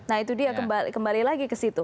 nah itu dia kembali lagi ke situ